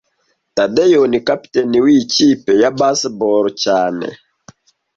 Tadeyo ni kapiteni wiyi kipe ya baseball cyane